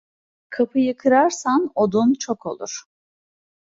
Kapıyı kırarsan odun çok olur.